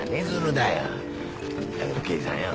だけど刑事さんよ。